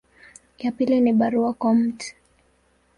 Ya pili ni barua kwa Mt.